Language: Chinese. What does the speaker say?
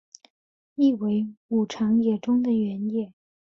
意为武藏野中的原野。